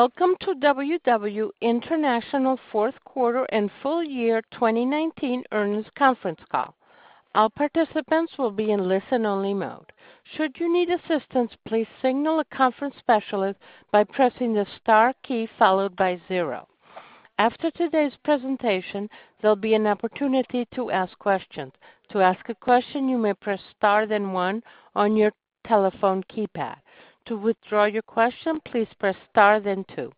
Welcome to WW International Fourth Quarter and Full year 2019 Earnings Conference Call. All participants will be in listen-only mode. Should you need assistance, please signal a conference specialist by pressing the star key followed by zero. After today's presentation, there'll be an opportunity to ask questions. To ask a question, you may press star then one on your telephone keypad. To withdraw your question, please press star then two.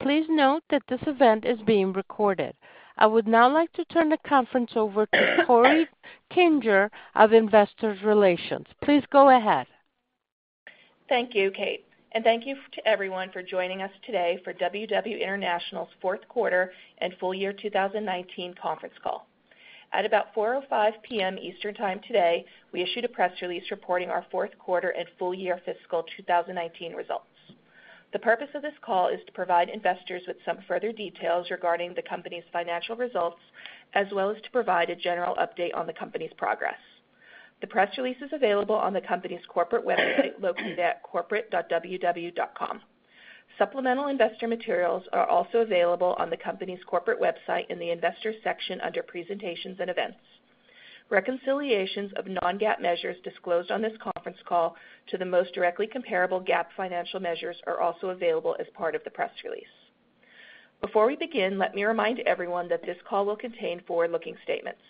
Please note that this event is being recorded. I would now like to turn the conference over to Corey Kinger of Investor Relations. Please go ahead. Thank you, Kate, and thank you to everyone for joining us today for WW International's Fourth Quarter and Full Year 2019 Conference Call. At about 4:05 P.M. Eastern Time today, we issued a press release reporting our fourth quarter and full year fiscal 2019 results. The purpose of this call is to provide investors with some further details regarding the company's financial results, as well as to provide a general update on the company's progress. The press release is available on the company's corporate website located at corporate.ww.com. Supplemental investor materials are also available on the company's corporate website in the Investors section under Presentations and Events. Reconciliations of non-GAAP measures disclosed on this conference call to the most directly comparable GAAP financial measures are also available as part of the press release. Before we begin, let me remind everyone that this call will contain forward-looking statements.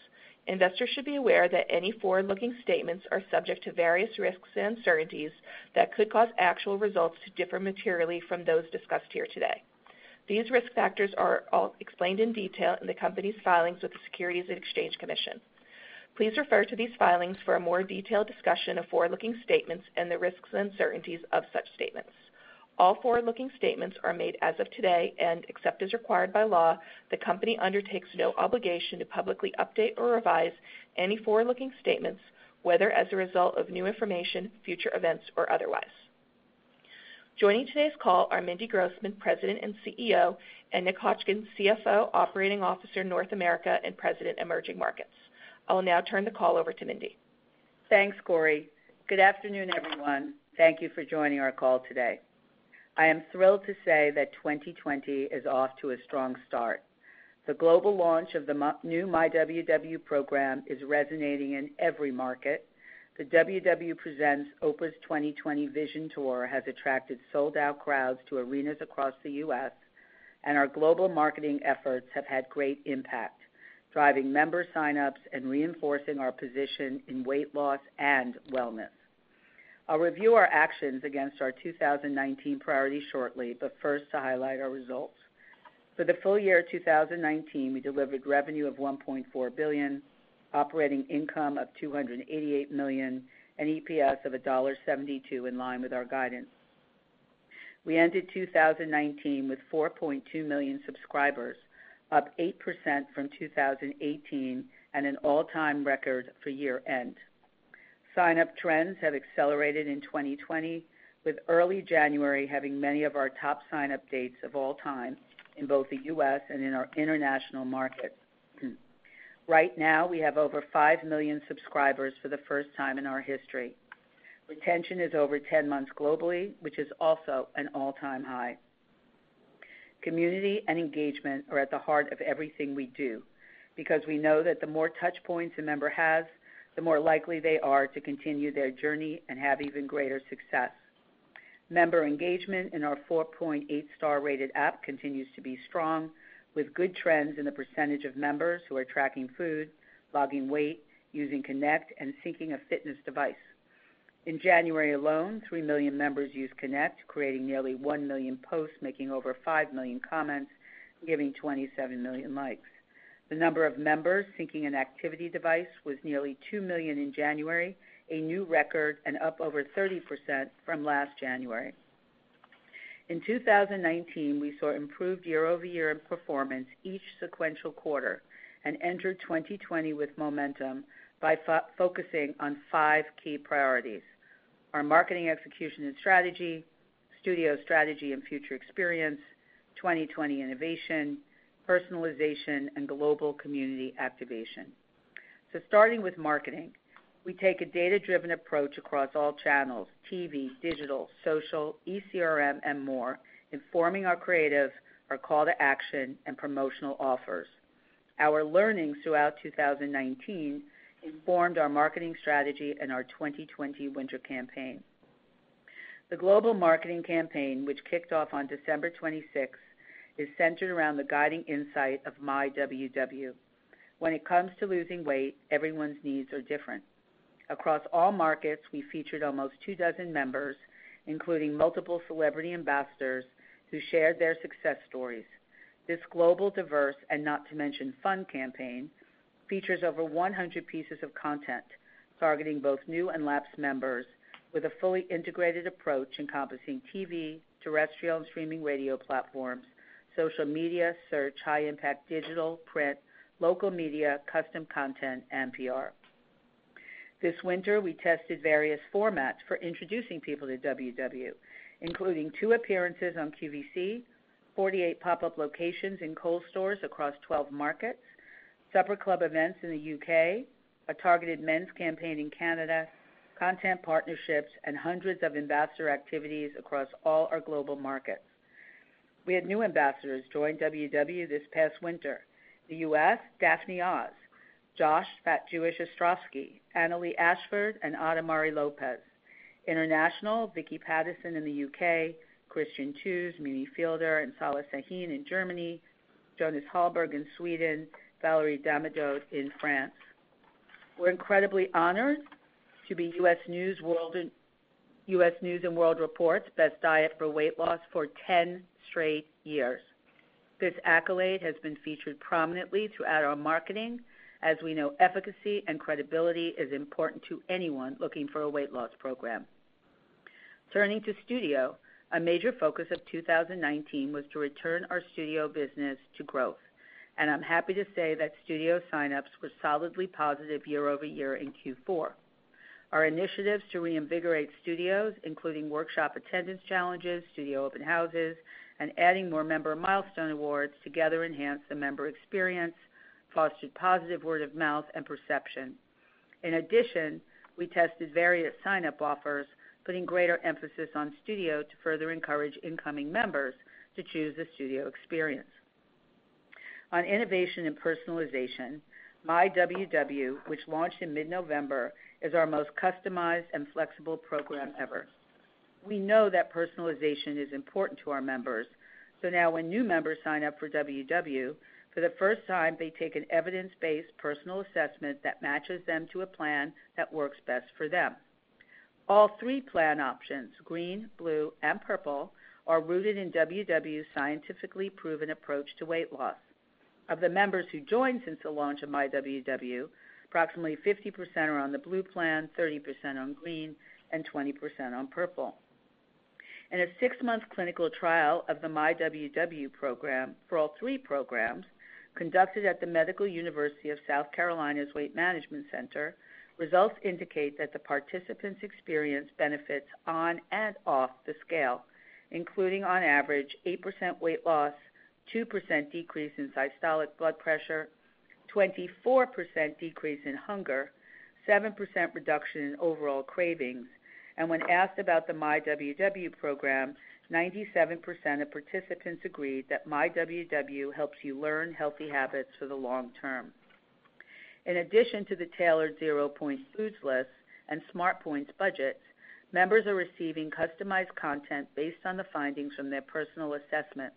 Investors should be aware that any forward-looking statements are subject to various risks and uncertainties that could cause actual results to differ materially from those discussed here today. These risk factors are all explained in detail in the company's filings with the Securities and Exchange Commission. Please refer to these filings for a more detailed discussion of forward-looking statements and the risks and uncertainties of such statements. All forward-looking statements are made as of today, and except as required by law, the company undertakes no obligation to publicly update or revise any forward-looking statements, whether as a result of new information, future events, or otherwise. Joining today's call are Mindy Grossman, President and CEO, and Nick Hotchkin, CFO, Operating Officer, North America, and President, Emerging Markets. I will now turn the call over to Mindy. Thanks, Corey. Good afternoon, everyone. Thank you for joining our call today. I am thrilled to say that 2020 is off to a strong start. The global launch of the new myWW program is resonating in every market. The WW Presents Oprah's 2020 Vision Tour has attracted sold-out crowds to arenas across the U.S., our global marketing efforts have had great impact, driving member sign-ups and reinforcing our position in weight loss and wellness. I'll review our actions against our 2019 priorities shortly, first to highlight our results. For the full year 2019, we delivered revenue of $1.4 billion, operating income of $288 million, and EPS of $1.72, in line with our guidance. We ended 2019 with 4.2 million subscribers, up 8% from 2018, an all-time record for year-end. Sign-up trends have accelerated in 2020, with early January having many of our top sign-up dates of all time in both the U.S. and in our international markets. Right now, we have over 5 million subscribers for the first time in our history. Retention is over 10 months globally, which is also an all-time high. Community and engagement are at the heart of everything we do, because we know that the more touchpoints a member has, the more likely they are to continue their journey and have even greater success. Member engagement in our 4.8 star-rated app continues to be strong, with good trends in the percentage of members who are tracking food, logging weight, using Connect, and syncing a fitness device. In January alone, 3 million members used Connect, creating nearly 1 million posts, making over 5 million comments, giving 27 million likes. The number of members syncing an activity device was nearly 2 million in January, a new record, and up over 30% from last January. In 2019, we saw improved year-over-year performance each sequential quarter and entered 2020 with momentum by focusing on five key priorities: our marketing execution and strategy, studio strategy and future experience, 2020 innovation, personalization, and global community activation. Starting with marketing, we take a data-driven approach across all channels, TV, digital, social, ECRM, and more, informing our creative, our call to action, and promotional offers. Our learnings throughout 2019 informed our marketing strategy and our 2020 winter campaign. The global marketing campaign, which kicked off on December 26th, is centered around the guiding insight of myWW. When it comes to losing weight, everyone's needs are different. Across all markets, we featured almost two dozen members, including multiple celebrity ambassadors who shared their success stories. This global, diverse, and not to mention fun campaign, features over 100 pieces of content targeting both new and lapsed members with a fully integrated approach encompassing TV, terrestrial and streaming radio platforms, social media, search, high impact digital, print, local media, custom content, and PR. This winter, we tested various formats for introducing people to WW, including two appearances on QVC, 48 pop-up locations in Kohl's stores across 12 markets, supper club events in the U.K., a targeted men's campaign in Canada, content partnerships, and hundreds of ambassador activities across all our global markets. We had new ambassadors join WW this past winter. The U.S., Daphne Oz, Josh "Fat Jewish" Ostrovsky, Annaleigh Ashford, and Adamari López. International, Vicky Pattison in the U.K., Christian Tews, Mimi Fiedler, and Sila Sahin in Germany, Jonas Hallberg in Sweden, Valérie Damidot in France. We're incredibly honored to be U.S. News & World Report's Best Diet for Weight Loss for 10 straight years. This accolade has been featured prominently throughout our marketing, as we know efficacy and credibility is important to anyone looking for a weight loss program. Turning to Studio, a major focus of 2019 was to return our Studio business to growth, and I'm happy to say that Studio sign-ups were solidly positive year-over-year in Q4. Our initiatives to reinvigorate Studios, including workshop attendance challenges, Studio open houses, and adding more member milestone awards together enhanced the member experience, fostered positive word of mouth and perception. In addition, we tested various sign-up offers, putting greater emphasis on Studio to further encourage incoming members to choose a Studio experience. On innovation and personalization, myWW, which launched in mid-November, is our most customized and flexible program ever. We know that personalization is important to our members, now when new members sign up for WW, for the first time, they take an evidence-based personal assessment that matches them to a plan that works best for them. All three plan options, Green, Blue, and Purple, are rooted in WW's scientifically proven approach to weight loss. Of the members who joined since the launch of myWW, approximately 50% are on the Blue plan, 30% on Green, and 20% on Purple. In a six-month clinical trial of the myWW program for all three programs, conducted at the Medical University of South Carolina's Weight Management Center, results indicate that the participants experienced benefits on and off the scale, including, on average, 8% weight loss, 2% decrease in systolic blood pressure, 24% decrease in hunger, 7% reduction in overall cravings, and when asked about the myWW program, 97% of participants agreed that myWW helps you learn healthy habits for the long term. In addition to the tailored ZeroPoint foods list and SmartPoints budget, members are receiving customized content based on the findings from their personal assessment.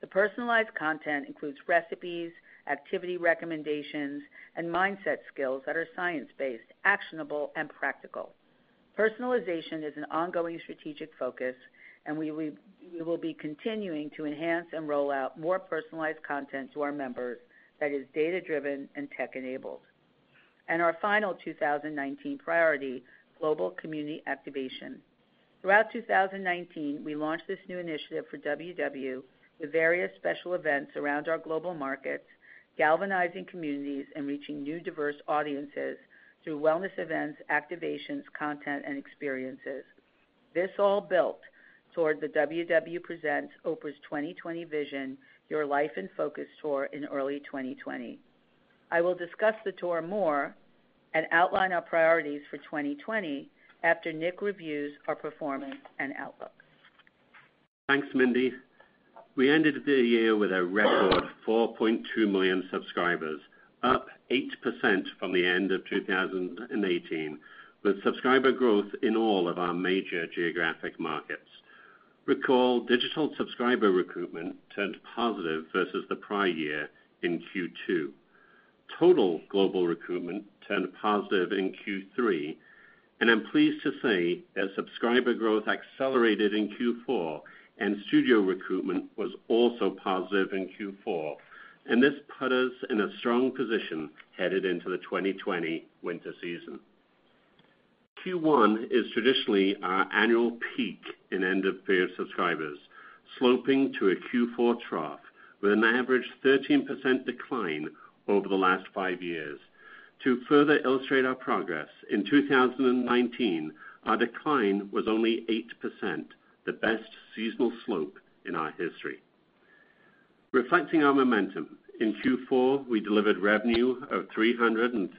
The personalized content includes recipes, activity recommendations, and mindset skills that are science-based, actionable, and practical. Personalization is an ongoing strategic focus, and we will be continuing to enhance and roll out more personalized content to our members that is data-driven and tech-enabled. Our final 2019 priority, Global Community Activation. Throughout 2019, we launched this new initiative for WW with various special events around our global markets, galvanizing communities and reaching new diverse audiences through wellness events, activations, content, and experiences. This all built toward the WW presents Oprah's 2020 Vision: Your Life in Focus Tour in early 2020. I will discuss the tour more and outline our priorities for 2020 after Nick reviews our performance and outlook. Thanks, Mindy. We ended the year with a record 4.2 million subscribers, up 8% from the end of 2018, with subscriber growth in all of our major geographic markets. Recall digital subscriber recruitment turned positive versus the prior year in Q2. Total global recruitment turned positive in Q3. I'm pleased to say that subscriber growth accelerated in Q4. Studio recruitment was also positive in Q4. This put us in a strong position headed into the 2020 winter season. Q1 is traditionally our annual peak in end-of-pay subscribers, sloping to a Q4 trough with an average 13% decline over the last five years. To further illustrate our progress, in 2019, our decline was only 8%, the best seasonal slope in our history. Reflecting our momentum, in Q4, we delivered revenue of $333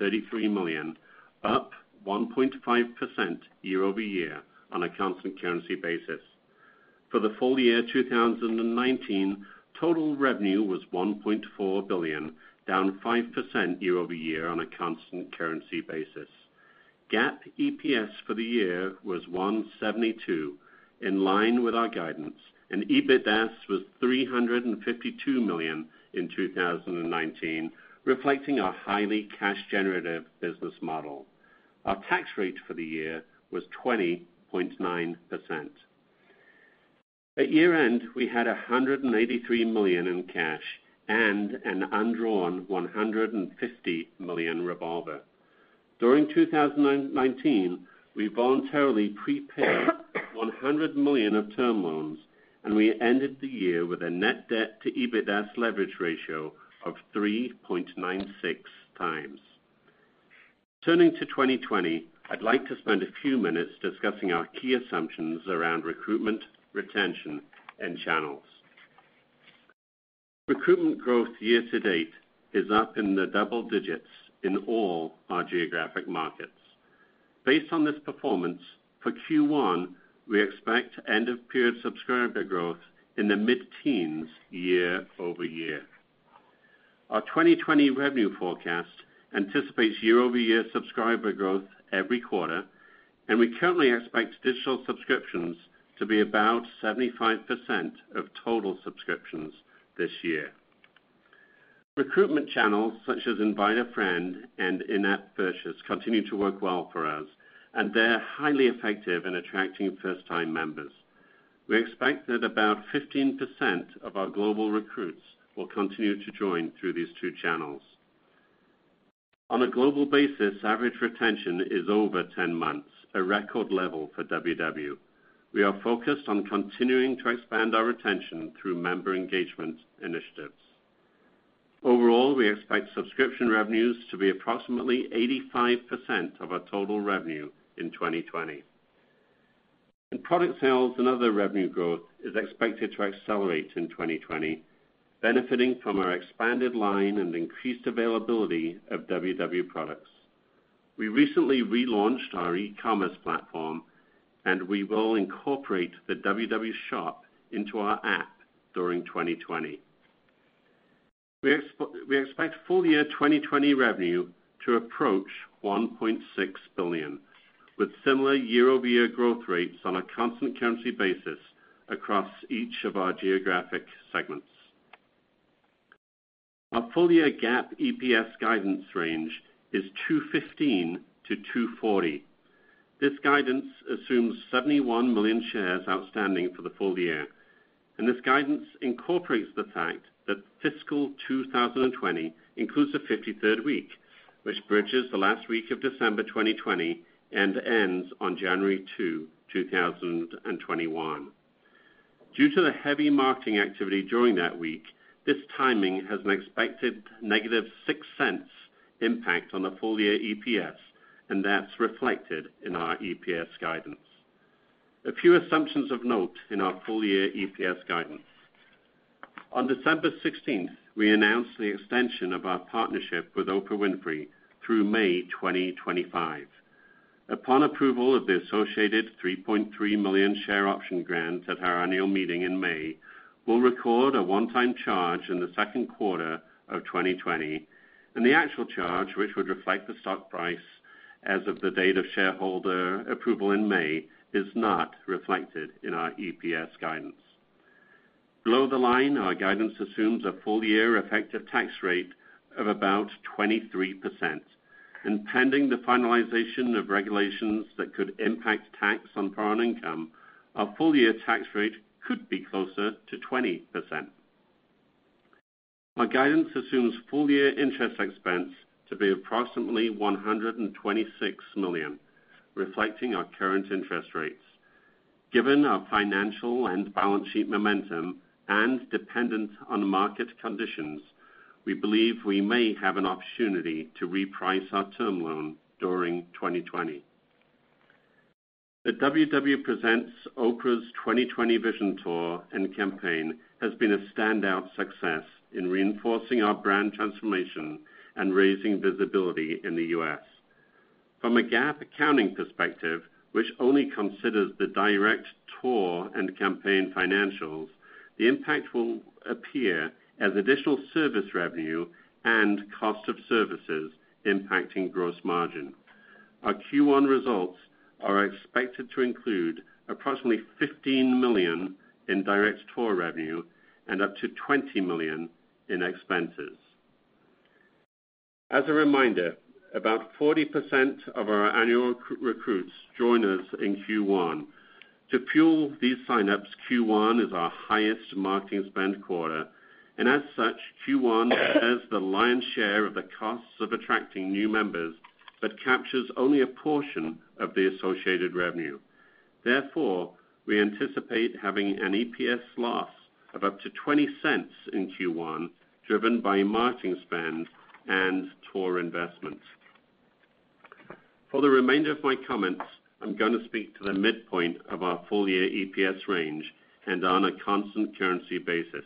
million, up 1.5% year-over-year on a constant currency basis. For the full year 2019, total revenue was $1.4 billion, down 5% year-over-year on a constant currency basis. GAAP EPS for the year was $1.72, in line with our guidance, and EBITDA was $352 million in 2019, reflecting our highly cash-generative business model. Our tax rate for the year was 20.9%. At year-end, we had $183 million in cash and an undrawn $150 million revolver. During 2019, we voluntarily prepaid $100 million of term loans, and we ended the year with a net debt to EBITDA leverage ratio of 3.96x. Turning to 2020, I'd like to spend a few minutes discussing our key assumptions around recruitment, retention, and channels. Recruitment growth year-to-date is up in the double digits in all our geographic markets. Based on this performance, for Q1, we expect end-of-period subscriber growth in the mid-teens year-over-year. Our 2020 revenue forecast anticipates year-over-year subscriber growth every quarter, and we currently expect digital subscriptions to be about 75% of total subscriptions this year. Recruitment channels such as Invite a Friend and in-app purchases continue to work well for us, and they're highly effective in attracting first-time members. We expect that about 15% of our global recruits will continue to join through these two channels. On a global basis, average retention is over 10 months, a record level for WW. We are focused on continuing to expand our retention through member engagement initiatives. Overall, we expect subscription revenues to be approximately 85% of our total revenue in 2020. In product sales and other revenue growth is expected to accelerate in 2020, benefiting from our expanded line and increased availability of WW products. We recently relaunched our e-commerce platform, and we will incorporate the WW Shop into our app during 2020. We expect full-year 2020 revenue to approach $1.6 billion, with similar year-over-year growth rates on a constant currency basis across each of our geographic segments. Our full-year GAAP EPS guidance range is $2.15-$2.40. This guidance assumes 71 million shares outstanding for the full year, and this guidance incorporates the fact that fiscal 2020 includes a 53rd week, which bridges the last week of December 2020 and ends on January 2, 2021. Due to the heavy marketing activity during that week, this timing has an expected -$0.06 impact on the full-year EPS, and that's reflected in our EPS guidance. A few assumptions of note in our full-year EPS guidance. On December 16th, we announced the extension of our partnership with Oprah Winfrey through May 2025. Upon approval of the associated $3.3 million share option grants at our annual meeting in May, we'll record a one-time charge in the second quarter of 2020. The actual charge, which would reflect the stock price as of the date of shareholder approval in May, is not reflected in our EPS guidance. Below the line, our guidance assumes a full-year effective tax rate of about 23%. Pending the finalization of regulations that could impact tax on foreign income, our full-year tax rate could be closer to 20%. Our guidance assumes full-year interest expense to be approximately $126 million, reflecting our current interest rates. Given our financial and balance sheet momentum and dependent on market conditions, we believe we may have an opportunity to reprice our term loan during 2020. The WW presents Oprah's 2020 Vision tour and campaign has been a standout success in reinforcing our brand transformation and raising visibility in the U.S. From a GAAP accounting perspective, which only considers the direct tour and campaign financials, the impact will appear as additional service revenue and cost of services impacting gross margin. Our Q1 results are expected to include approximately $15 million in direct tour revenue and up to $20 million in expenses. As a reminder, about 40% of our annual recruits join us in Q1. To fuel these sign-ups, Q1 is our highest marketing spend quarter, and as such, Q1 bears the lion's share of the costs of attracting new members but captures only a portion of the associated revenue. Therefore, we anticipate having an EPS loss of up to $0.20 in Q1, driven by marketing spend and tour investment. For the remainder of my comments, I am going to speak to the midpoint of our full-year EPS range and on a constant currency basis.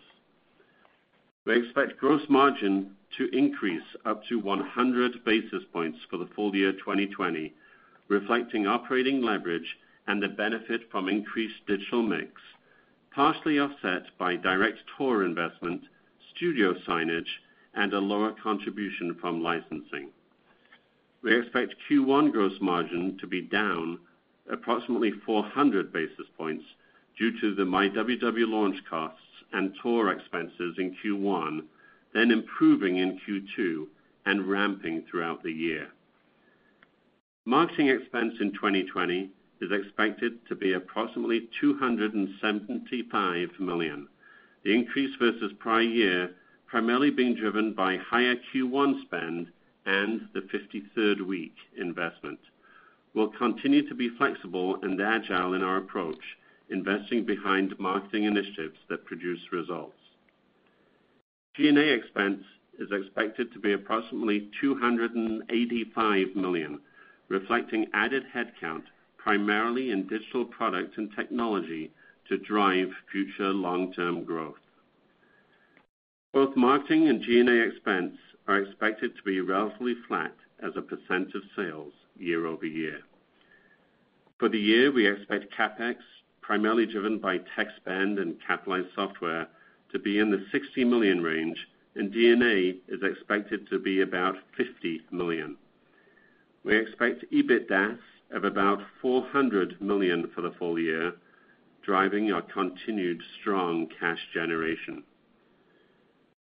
We expect gross margin to increase up to 100 basis points for the full year 2020, reflecting operating leverage and the benefit from increased digital mix, partially offset by direct tour investment, studio sign-ups, and a lower contribution from licensing. We expect Q1 gross margin to be down approximately 400 basis points due to the myWW launch costs and tour expenses in Q1, then improving in Q2 and ramping throughout the year. Marketing expense in 2020 is expected to be approximately $275 million, the increase versus prior year primarily being driven by higher Q1 spend and the 53rd week investment. We'll continue to be flexible and agile in our approach, investing behind marketing initiatives that produce results. G&A expense is expected to be approximately $285 million, reflecting added headcount, primarily in digital product and technology to drive future long-term growth. Both marketing and G&A expense are expected to be relatively flat as a precent of sales year-over-year. For the year, we expect CapEx, primarily driven by tech spend and capitalized software, to be in the $60 million range, and G&A is expected to be about $50 million. We expect EBITDA of about $400 million for the full year, driving our continued strong cash generation.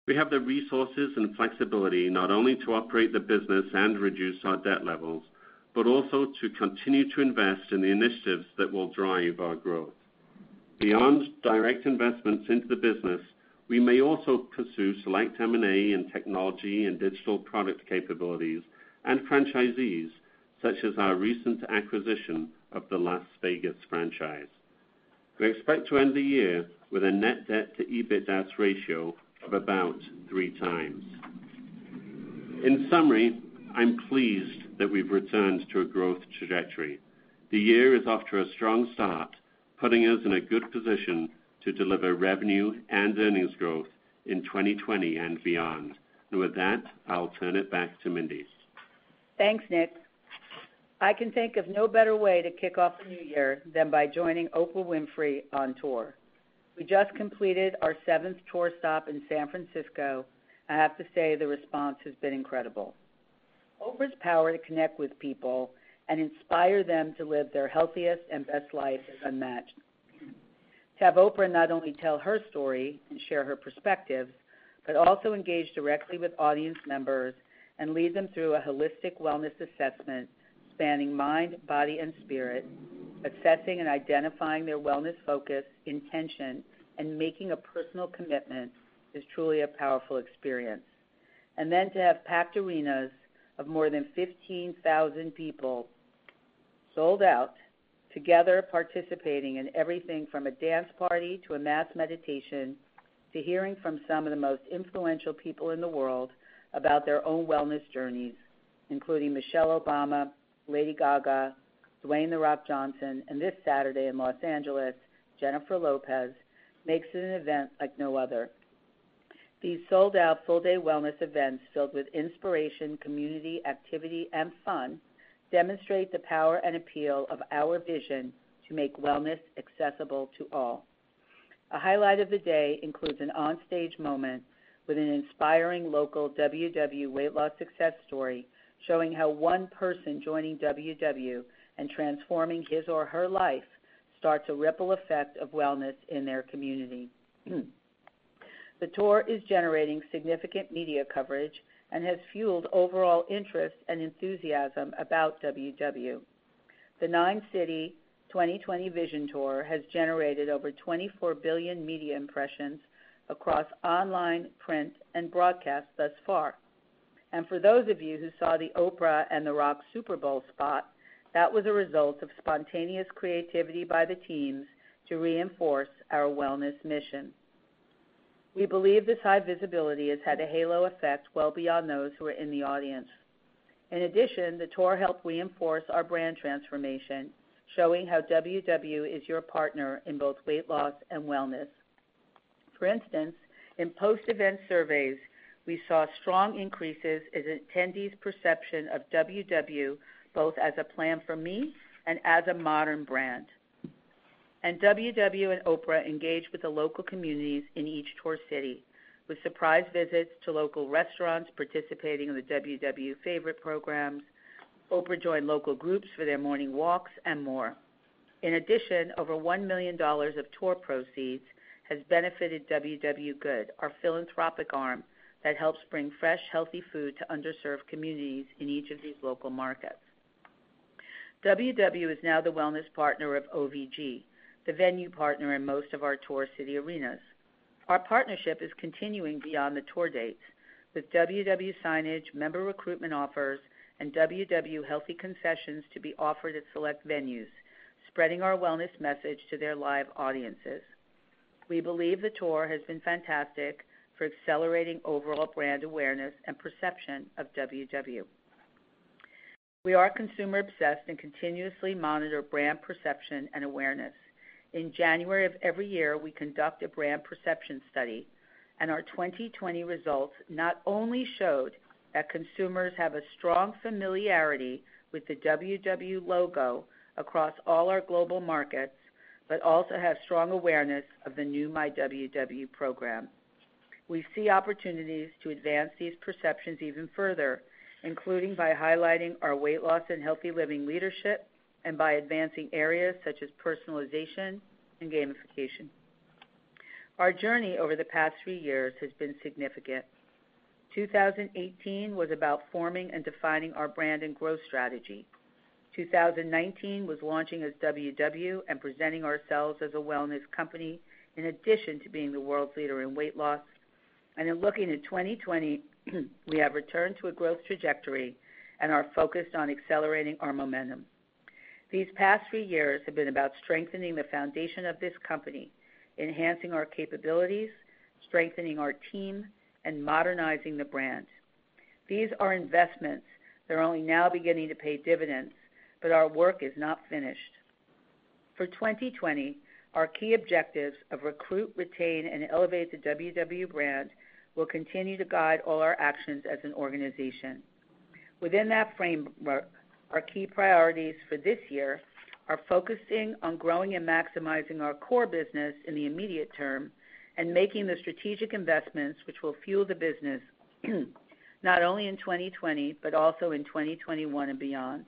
We have the resources and flexibility not only to operate the business and reduce our debt levels, but also to continue to invest in the initiatives that will drive our growth. Beyond direct investments into the business, we may also pursue select M&A in technology and digital product capabilities, and franchisees, such as our recent acquisition of the Las Vegas franchise. We expect to end the year with a net debt to EBITDA ratio of about 3x. In summary, I'm pleased that we've returned to a growth trajectory. The year is off to a strong start, putting us in a good position to deliver revenue and earnings growth in 2020 and beyond. With that, I'll turn it back to Mindy. Thanks, Nick. I can think of no better way to kick off the new year than by joining Oprah Winfrey on tour. We just completed our seventh tour stop in San Francisco, and I have to say, the response has been incredible. Oprah's power to connect with people and inspire them to live their healthiest and best life is unmatched. To have Oprah not only tell her story and share her perspective, but also engage directly with audience members and lead them through a holistic wellness assessment spanning mind, body, and spirit, assessing and identifying their wellness focus, intention, and making a personal commitment is truly a powerful experience. To have packed arenas of more than 15,000 people sold out, together participating in everything from a dance party to a mass meditation, to hearing from some of the most influential people in the world about their own wellness journeys, including Michelle Obama, Lady Gaga, Dwayne The Rock Johnson, and this Saturday in L.A., Jennifer Lopez, makes it an event like no other. These sold-out full-day wellness events, filled with inspiration, community, activity, and fun, demonstrate the power and appeal of our vision to make wellness accessible to all. A highlight of the day includes an on-stage moment with an inspiring local WW weight loss success story, showing how one person joining WW and transforming his or her life starts a ripple effect of wellness in their community. The tour is generating significant media coverage and has fueled overall interest and enthusiasm about WW. The nine-city 2020 Vision Tour has generated over 24 billion media impressions across online, print, and broadcast thus far. For those of you who saw the Oprah and The Rock Super Bowl spot, that was a result of spontaneous creativity by the teams to reinforce our wellness mission. We believe this high visibility has had a halo effect well beyond those who are in the audience. In addition, the tour helped reinforce our brand transformation, showing how WW is your partner in both weight loss and wellness. For instance, in post-event surveys, we saw strong increases in attendees' perception of WW both as a plan for me and as a modern brand. WW and Oprah engaged with the local communities in each tour city with surprise visits to local restaurants participating in the WW Favorite Programs. Oprah joined local groups for their morning walks and more. In addition, over $1 million of tour proceeds has benefited WW Good, our philanthropic arm that helps bring fresh, healthy food to underserved communities in each of these local markets. WW is now the wellness partner of OVG, the venue partner in most of our tour city arenas. Our partnership is continuing beyond the tour dates with WW signage, member recruitment offers, and WW healthy concessions to be offered at select venues, spreading our wellness message to their live audiences. We believe the tour has been fantastic for accelerating overall brand awareness and perception of WW. We are consumer-obsessed and continuously monitor brand perception and awareness. In January of every year, we conduct a brand perception study, and our 2020 results not only showed that consumers have a strong familiarity with the WW logo across all our global markets, but also have strong awareness of the new myWW program. We see opportunities to advance these perceptions even further, including by highlighting our weight loss and healthy living leadership and by advancing areas such as personalization and gamification. Our journey over the past three years has been significant. 2018 was about forming and defining our brand and growth strategy. 2019 was launching as WW and presenting ourselves as a wellness company in addition to being the world's leader in weight loss. In looking at 2020, we have returned to a growth trajectory and are focused on accelerating our momentum. These past three years have been about strengthening the foundation of this company, enhancing our capabilities, strengthening our team, and modernizing the brand. These are investments that are only now beginning to pay dividends, but our work is not finished. For 2020, our key objectives of recruit, retain, and elevate the WW brand will continue to guide all our actions as an organization. Within that framework, our key priorities for this year are focusing on growing and maximizing our core business in the immediate term and making the strategic investments which will fuel the business not only in 2020, but also in 2021 and beyond.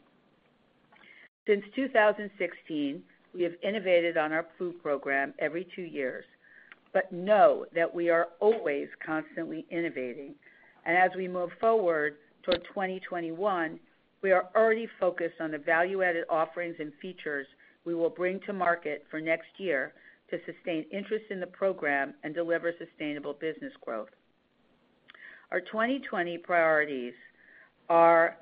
Since 2016, we have innovated on our food program every two years, but know that we are always constantly innovating. As we move forward toward 2021, we are already focused on the value-added offerings and features we will bring to market for next year to sustain interest in the program and deliver sustainable business growth. Our 2020 priorities are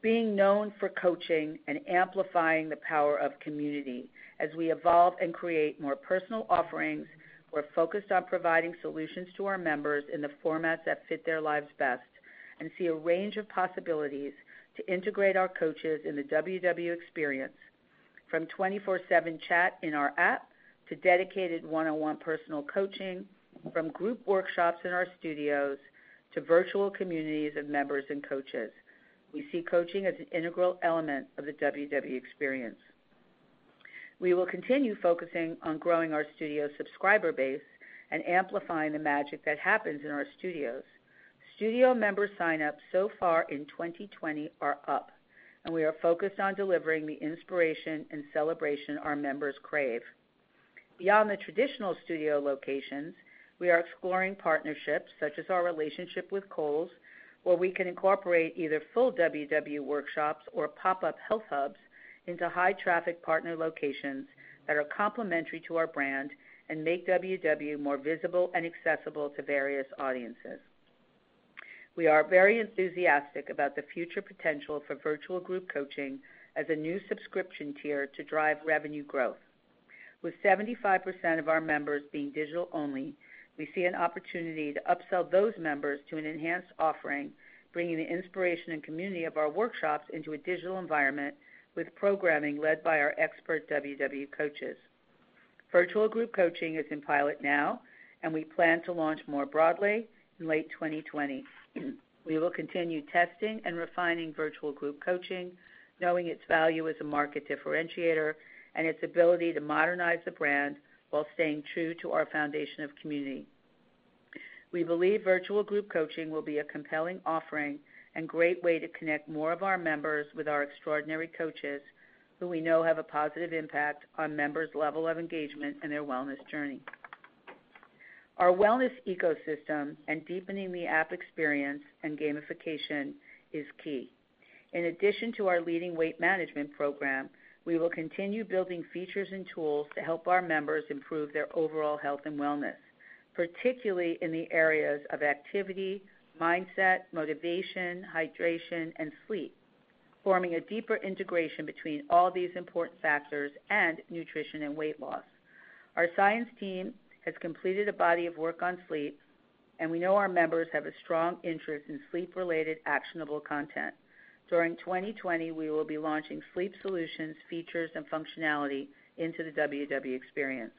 being known for coaching and amplifying the power of community. As we evolve and create more personal offerings, we're focused on providing solutions to our members in the formats that fit their lives best and see a range of possibilities to integrate our coaches in the WW experience, from 24/7 chat in our app to dedicated one-on-one personal coaching, from group workshops in our studios to virtual communities of members and coaches. We see coaching as an integral element of the WW experience. We will continue focusing on growing our studio subscriber base and amplifying the magic that happens in our studios. Studio member sign-ups so far in 2020 are up, and we are focused on delivering the inspiration and celebration our members crave. Beyond the traditional studio locations, we are exploring partnerships, such as our relationship with Kohl's, where we can incorporate either full WW workshops or pop-up health hubs into high-traffic partner locations that are complementary to our brand and make WW more visible and accessible to various audiences. We are very enthusiastic about the future potential for virtual group coaching as a new subscription tier to drive revenue growth. With 75% of our members being digital only, we see an opportunity to upsell those members to an enhanced offering, bringing the inspiration and community of our workshops into a digital environment with programming led by our expert WW coaches. Virtual group coaching is in pilot now, and we plan to launch more broadly in late 2020. We will continue testing and refining virtual group coaching, knowing its value as a market differentiator and its ability to modernize the brand while staying true to our foundation of community. We believe virtual group coaching will be a compelling offering and great way to connect more of our members with our extraordinary coaches, who we know have a positive impact on members' level of engagement and their wellness journey. Our wellness ecosystem and deepening the app experience and gamification is key. In addition to our leading weight management program, we will continue building features and tools to help our members improve their overall health and wellness, particularly in the areas of activity, mindset, motivation, hydration, and sleep, forming a deeper integration between all these important factors and nutrition and weight loss. Our science team has completed a body of work on sleep, and we know our members have a strong interest in sleep-related, actionable content. During 2020, we will be launching sleep solutions, features, and functionality into the WW experience.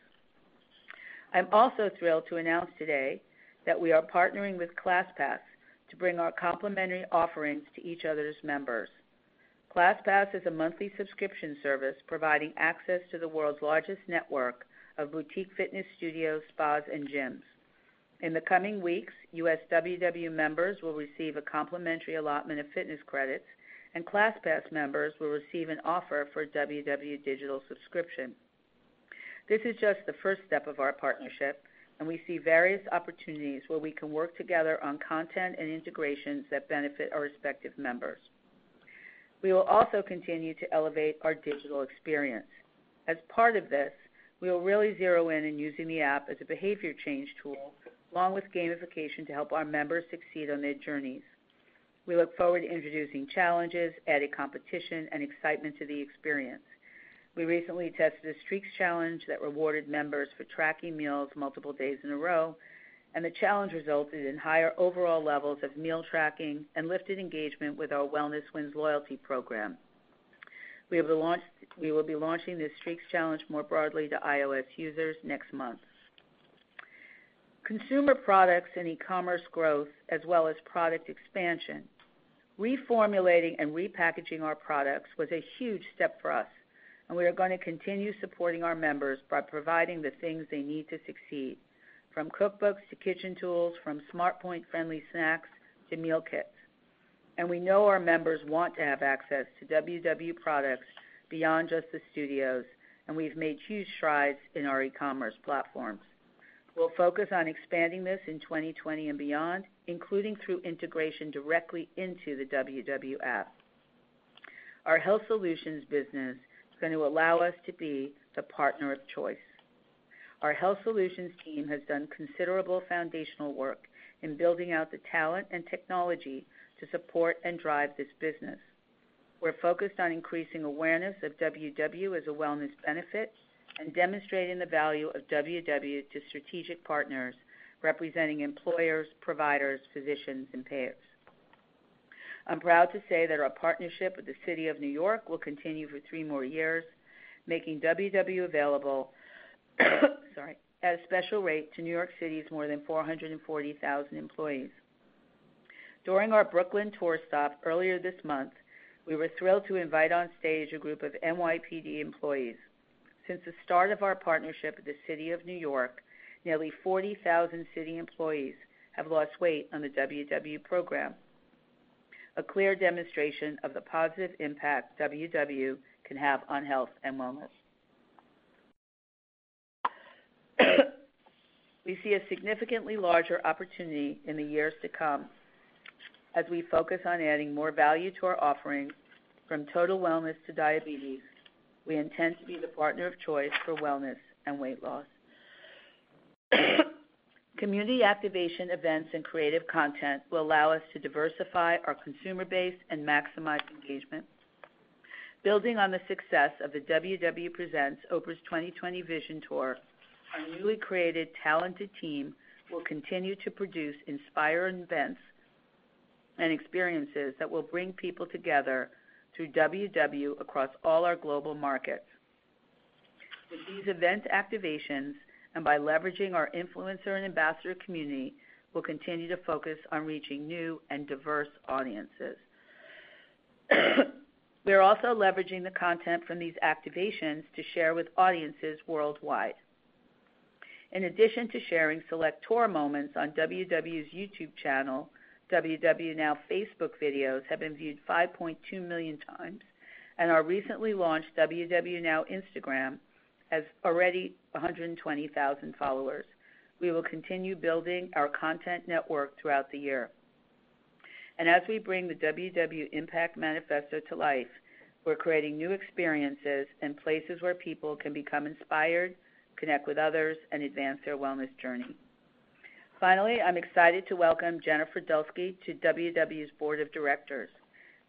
I'm also thrilled to announce today that we are partnering with ClassPass to bring our complementary offerings to each other's members. ClassPass is a monthly subscription service providing access to the world's largest network of boutique fitness studios, spas, and gyms. In the coming weeks, U.S. WW members will receive a complimentary allotment of fitness credits, and ClassPass members will receive an offer for a WW digital subscription. This is just the first step of our partnership, and we see various opportunities where we can work together on content and integrations that benefit our respective members. We will also continue to elevate our digital experience. As part of this, we will really zero in on using the app as a behavior change tool, along with gamification, to help our members succeed on their journeys. We look forward to introducing challenges, adding competition, and excitement to the experience. We recently tested a streaks challenge that rewarded members for tracking meals multiple days in a row, and the challenge resulted in higher overall levels of meal tracking and lifted engagement with our WellnessWins loyalty program. We will be launching the streaks challenge more broadly to iOS users next month. Consumer products and e-commerce growth, as well as product expansion. Reformulating and repackaging our products was a huge step for us, and we are going to continue supporting our members by providing the things they need to succeed, from cookbooks to kitchen tools, from SmartPoints-friendly snacks to meal kits. We know our members want to have access to WW products beyond just the studios, and we've made huge strides in our e-commerce platforms. We'll focus on expanding this in 2020 and beyond, including through integration directly into the WW app. Our health solutions business is going to allow us to be the partner of choice. Our health solutions team has done considerable foundational work in building out the talent and technology to support and drive this business. We're focused on increasing awareness of WW as a wellness benefit and demonstrating the value of WW to strategic partners, representing employers, providers, physicians, and payers. I'm proud to say that our partnership with the City of New York will continue for three more years, making WW available at a special rate to New York City's more than 440,000 employees. During our Brooklyn tour stop earlier this month, we were thrilled to invite on stage a group of NYPD employees. Since the start of our partnership with the City of New York, nearly 40,000 city employees have lost weight on the WW program, a clear demonstration of the positive impact WW can have on health and wellness. We see a significantly larger opportunity in the years to come. As we focus on adding more value to our offerings, from total wellness to diabetes, we intend to be the partner of choice for wellness and weight loss. Community activation events and creative content will allow us to diversify our consumer base and maximize engagement. Building on the success of the WW presents Oprah's 2020 Vision Tour, our newly created talented team will continue to produce inspiring events and experiences that will bring people together through WW across all our global markets. With these event activations and by leveraging our influencer and ambassador community, we'll continue to focus on reaching new and diverse audiences. We are also leveraging the content from these activations to share with audiences worldwide. In addition to sharing select tour moments on WW's YouTube channel, WW Now Facebook videos have been viewed 5.2x million. Our recently launched WW Now Instagram has already 120,000 followers. We will continue building our content network throughout the year. As we bring the WW Impact Manifesto to life, we're creating new experiences and places where people can become inspired, connect with others, and advance their wellness journey. Finally, I'm excited to welcome Jennifer Dulski to WW's board of directors.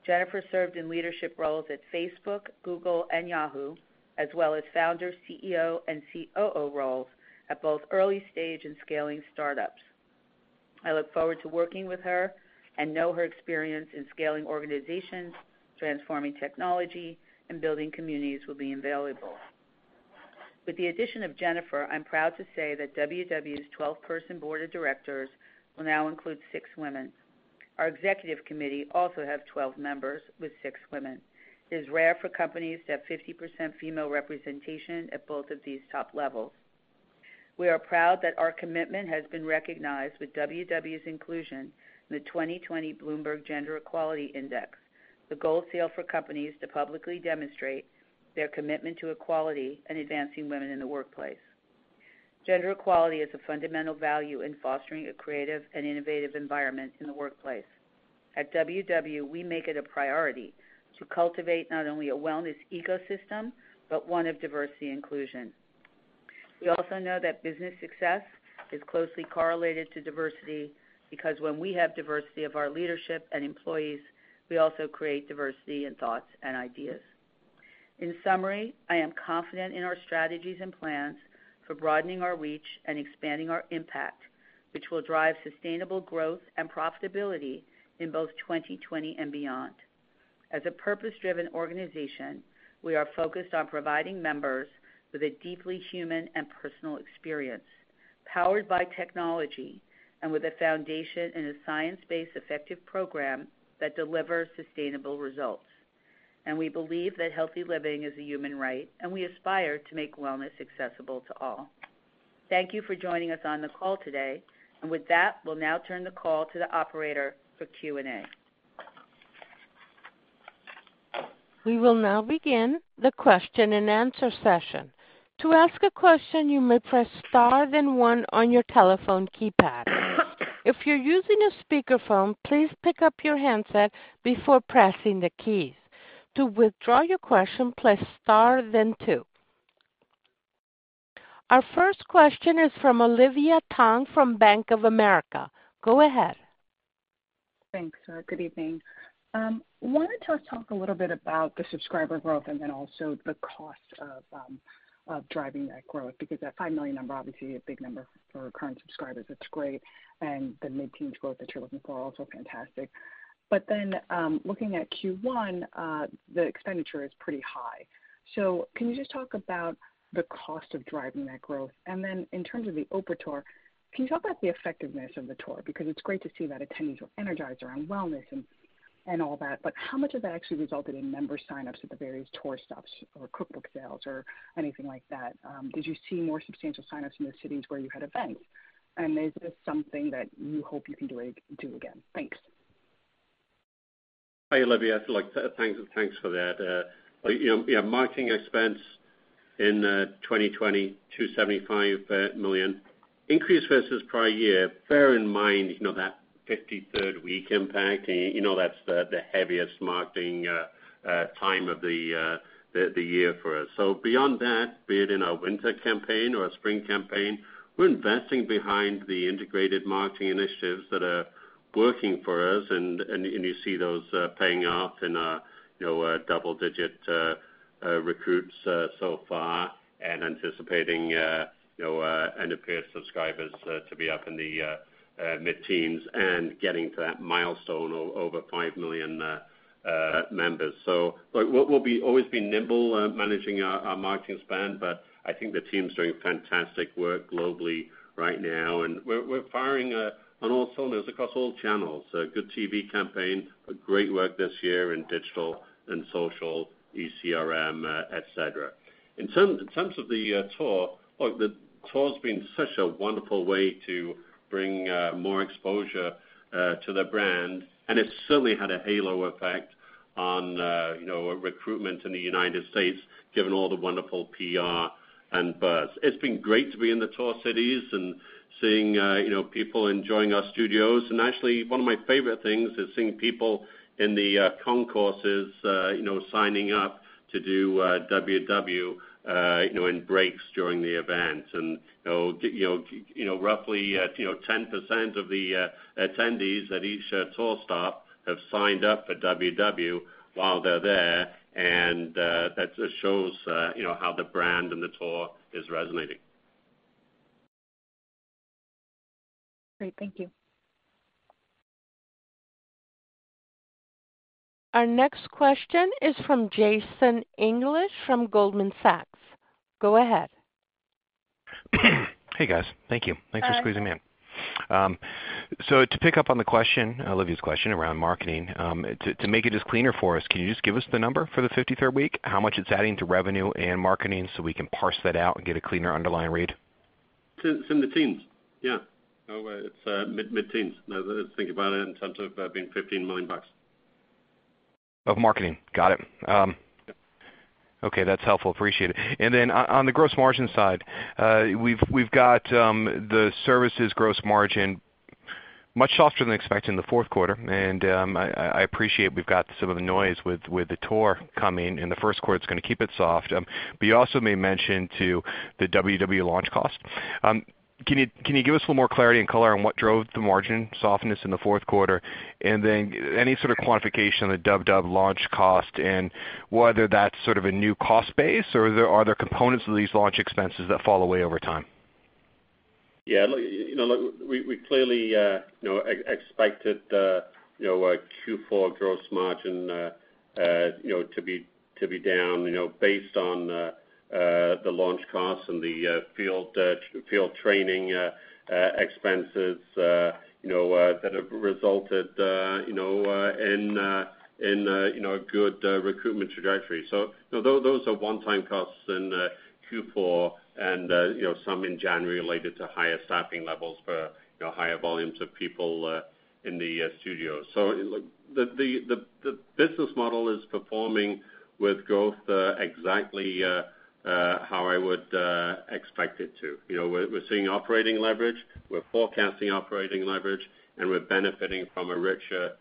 Jennifer served in leadership roles at Facebook, Google, and Yahoo, as well as founder, CEO, and COO roles at both early-stage and scaling startups. I look forward to working with her and know her experience in scaling organizations, transforming technology, and building communities will be invaluable. With the addition of Jennifer, I'm proud to say that WW's 12-person board of directors will now include six women. Our executive committee also have 12 members, with six women. It is rare for companies to have 50% female representation at both of these top levels. We are proud that our commitment has been recognized with WW's inclusion in the 2020 Bloomberg Gender-Equality Index, the gold seal for companies to publicly demonstrate their commitment to equality and advancing women in the workplace. Gender equality is a fundamental value in fostering a creative and innovative environment in the workplace. At WW, we make it a priority to cultivate not only a wellness ecosystem, but one of diversity inclusion. We also know that business success is closely correlated to diversity, because when we have diversity of our leadership and employees, we also create diversity in thoughts and ideas. In summary, I am confident in our strategies and plans for broadening our reach and expanding our impact, which will drive sustainable growth and profitability in both 2020 and beyond. As a purpose-driven organization, we are focused on providing members with a deeply human and personal experience, powered by technology, and with a foundation in a science-based effective program that delivers sustainable results. We believe that healthy living is a human right, and we aspire to make wellness accessible to all. Thank you for joining us on the call today. With that, we'll now turn the call to the operator for Q&A. We will now begin the question-and-answer session. To ask a question, you may press star, then one on your telephone keypad. If you're using a speakerphone, please pick up your handset before pressing the keys. To withdraw your question, press star, then two. Our first question is from Olivia Tong from Bank of America. Go ahead. Thanks. Good evening. Wanted to talk a little bit about the subscriber growth and then also the cost of driving that growth, because that 5 million number, obviously a big number for current subscribers. It's great, and the mid-teens growth that you're looking for, also fantastic. Looking at Q1, the expenditure is pretty high. Can you just talk about the cost of driving that growth? In terms of the Oprah tour, can you talk about the effectiveness of the tour? It's great to see that attendees were energized around wellness and all that, but how much of that actually resulted in member sign-ups at the various tour stops or cookbook sales or anything like that? Did you see more substantial sign-ups in the cities where you had events? Is this something that you hope you can do again? Thanks. Hi, Olivia. Thanks for that. Marketing expense in 2020, $275 million increase versus prior year, bear in mind that 53rd week impact. You know that's the heaviest marketing time of the year for us. Beyond that, be it in our winter campaign or our spring campaign, we're investing behind the integrated marketing initiatives that are working for us, and you see those paying off in our double-digit recruits so far and anticipating end-of-period subscribers to be up in the mid-teens and getting to that milestone of over 5 million members. We'll always be nimble managing our marketing spend. I think the team's doing fantastic work globally right now. We're firing on all cylinders across all channels. A good TV campaign, great work this year in digital and social, ECRM, et cetera. In terms of the tour, look, the tour's been such a wonderful way to bring more exposure to the brand, and it's certainly had a halo effect on recruitment in the United States, given all the wonderful PR and buzz. It's been great to be in the tour cities and seeing people enjoying our studios. Actually, one of my favorite things is seeing people in the concourses signing up to do WW in breaks during the event. Roughly 10% of the attendees at each tour stop have signed up for WW while they're there, and that just shows how the brand and the tour is resonating. Great. Thank you. Our next question is from Jason English from Goldman Sachs. Go ahead. Hey, guys. Thank you. Thanks for squeezing me in. To pick up on Olivia's question around marketing, to make it just cleaner for us, can you just give us the number for the 53rd week, how much it's adding to revenue and marketing so we can parse that out and get a cleaner underlying read? It's in the teens. Yeah. It's mid-teens. Think about it in terms of it being $15 million. Of marketing? Got it. Yep. Okay, that's helpful. Appreciate it. Then on the gross margin side, we've got the services gross margin much softer than expected in the fourth quarter, and I appreciate we've got some of the noise with the tour coming in the first quarter, it's going to keep it soft. You also made mention to the WW launch cost. Can you give us a little more clarity and color on what drove the margin softness in the fourth quarter, and then any sort of quantification on the WW launch cost and whether that's sort of a new cost base, or are there components of these launch expenses that fall away over time? Look, we clearly expected Q4 gross margin to be down based on the launch costs and the field training expenses that have resulted in a good recruitment trajectory. Those are one-time costs in Q4 and some in January related to higher staffing levels for higher volumes of people in the studio. Look, the business model is performing with growth exactly how I would expect it to. We're seeing operating leverage, we're forecasting operating leverage, and we're benefiting from a richer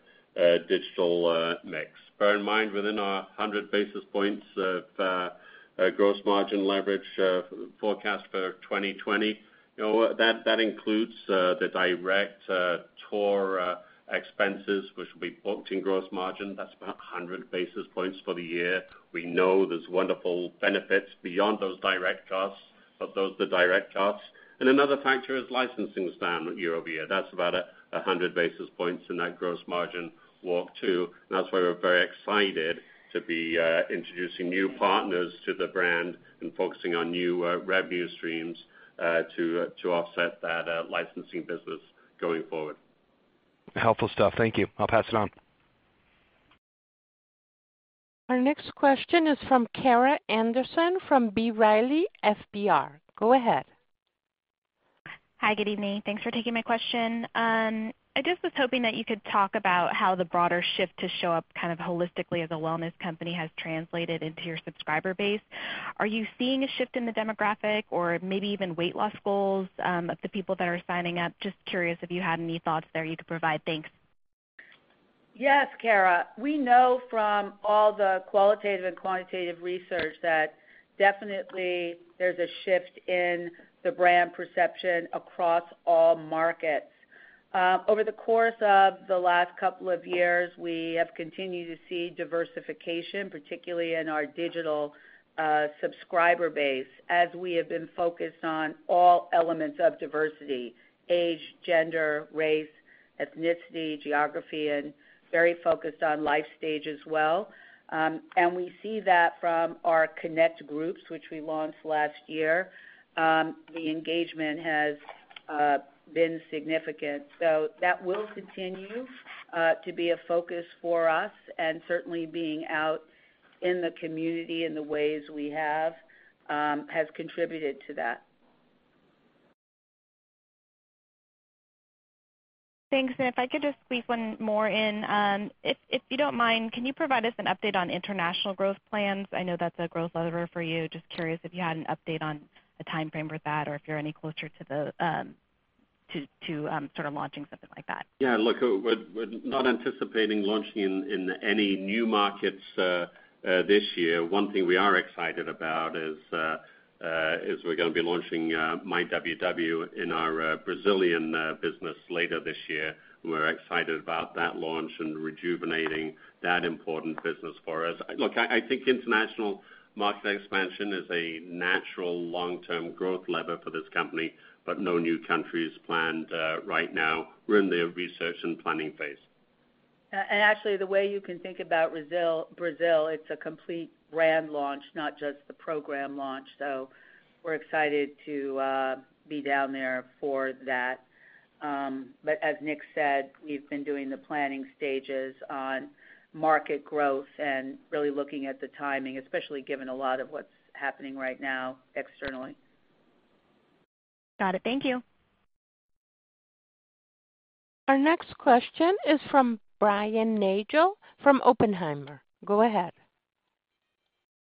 digital mix. Bear in mind, within our 100 basis points of gross margin leverage forecast for 2020, that includes the direct tour expenses, which will be booked in gross margin. That's about 100 basis points for the year. We know there's wonderful benefits beyond those direct costs, but those are the direct costs. Another factor is licensing spend year-over-year. That's about 100 basis points in that gross margin walk, too. That's why we're very excited to be introducing new partners to the brand and focusing on new revenue streams to offset that licensing business going forward. Helpful stuff. Thank you. I'll pass it on. Our next question is from Kara Anderson from B. Riley FBR. Go ahead. Hi, good evening. Thanks for taking my question. I just was hoping that you could talk about how the broader shift to show up kind of holistically as a wellness company has translated into your subscriber base. Are you seeing a shift in the demographic or maybe even weight loss goals of the people that are signing up? Just curious if you had any thoughts there you could provide. Thanks. Yes, Kara. We know from all the qualitative and quantitative research that definitely there's a shift in the brand perception across all markets. Over the course of the last couple of years, we have continued to see diversification, particularly in our digital subscriber base, as we have been focused on all elements of diversity, age, gender, race, ethnicity, geography, and very focused on life stage as well. We see that from our Connect Groups, which we launched last year. The engagement has been significant. That will continue to be a focus for us, and certainly being out in the community in the ways we have has contributed to that. Thanks. If I could just squeeze one more in. If you don't mind, can you provide us an update on international growth plans? I know that's a growth lever for you. Just curious if you had an update on a timeframe for that or if you're any closer to sort of launching something like that. Yeah, look, we're not anticipating launching in any new markets this year. One thing we are excited about is we're going to be launching myWW in our Brazilian business later this year. We're excited about that launch and rejuvenating that important business for us. Look, I think international market expansion is a natural long-term growth lever for this company, but no new countries planned right now. We're in the research and planning phase. Actually, the way you can think about Brazil, it's a complete brand launch, not just the program launch. We're excited to be down there for that. As Nick said, we've been doing the planning stages on market growth and really looking at the timing, especially given a lot of what's happening right now externally. Got it. Thank you. Our next question is from Brian Nagel from Oppenheimer. Go ahead.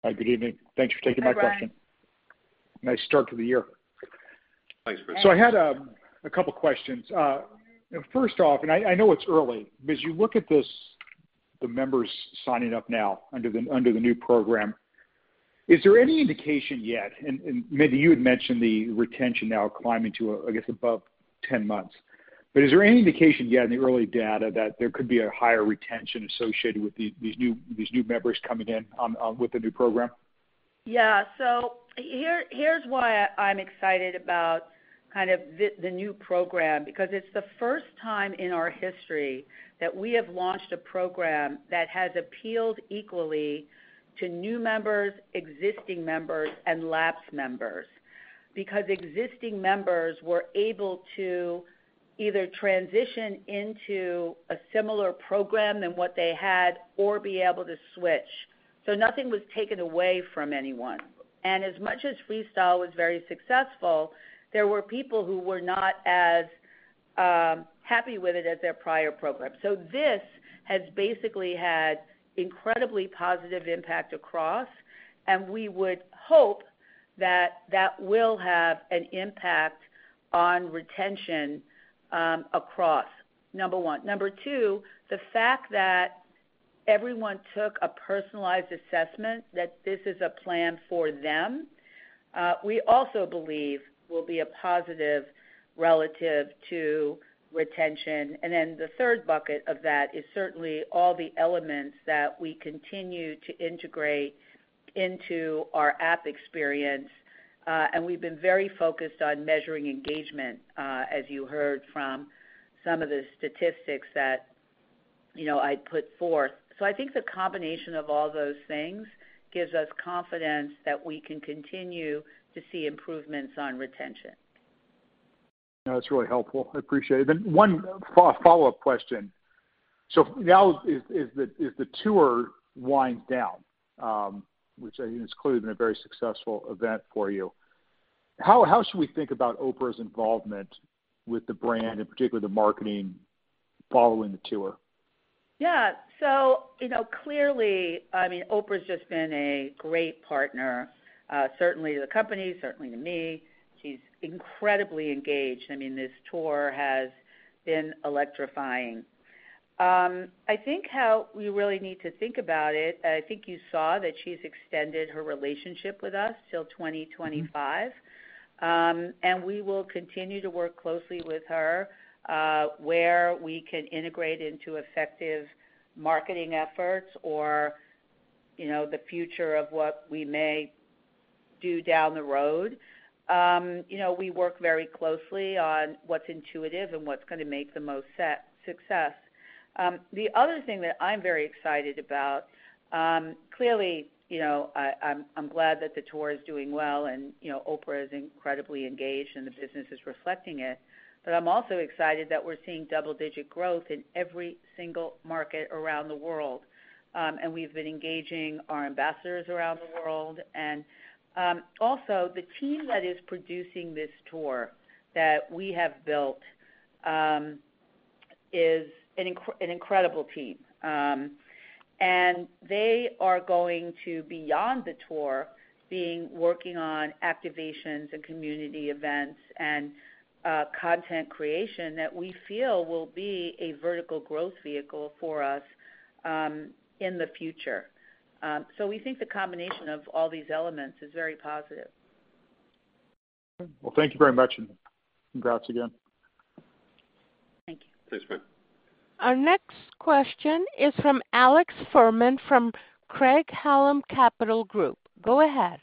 Hi. Good evening. Thanks for taking my question. Hi, Brian. Nice start to the year. Thanks, Brian. I had a couple questions. First off, and I know it's early, but as you look at this, the members signing up now under the new program, is there any indication yet, and Mindy, you had mentioned the retention now climbing to, I guess, above 10 months. Is there any indication yet in the early data that there could be a higher retention associated with these new members coming in with the new program? Yeah. Here's why I'm excited about kind of the new program, because it's the first time in our history that we have launched a program that has appealed equally to new members, existing members, and lapsed members. Existing members were able to either transition into a similar program than what they had or be able to switch. Nothing was taken away from anyone. As much as Freestyle was very successful, there were people who were not as happy with it as their prior program. This has basically had incredibly positive impact across, and we would hope that that will have an impact on retention across, number one. Number two, the fact that everyone took a personalized assessment that this is a plan for them, we also believe will be a positive relative to retention. The third bucket of that is certainly all the elements that we continue to integrate into our app experience. We've been very focused on measuring engagement, as you heard from some of the statistics that I put forth. I think the combination of all those things gives us confidence that we can continue to see improvements on retention. That's really helpful. I appreciate it. One follow-up question. Now as the tour winds down, which I think has clearly been a very successful event for you, how should we think about Oprah's involvement with the brand, and particularly the marketing following the tour? Clearly, Oprah's just been a great partner, certainly to the company, certainly to me. She's incredibly engaged. This tour has been electrifying. I think how we really need to think about it, I think you saw that she's extended her relationship with us till 2025. We will continue to work closely with her where we can integrate into effective marketing efforts or the future of what we may do down the road. We work very closely on what's intuitive and what's going to make the most success. The other thing that I'm very excited about, clearly, I'm glad that the tour is doing well and Oprah is incredibly engaged and the business is reflecting it, I'm also excited that we're seeing double-digit growth in every single market around the world, and we've been engaging our ambassadors around the world. Also, the team that is producing this tour that we have built is an incredible team. They are going to, beyond the tour, be working on activations and community events and content creation that we feel will be a vertical growth vehicle for us in the future. We think the combination of all these elements is very positive. Thank you very much, and congrats again. Thank you. Thanks, Brian. Our next question is from Alex Fuhrman from Craig-Hallum Capital Group. Go ahead.